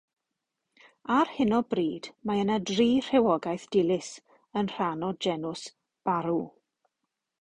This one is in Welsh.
Ar hyn o bryd mae yna dri rhywogaeth dilys yn rhan o genws "Baru".